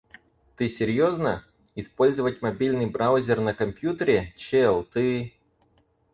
Ты серьезно? Использовать мобильный браузер на компьютере? Чел, ты...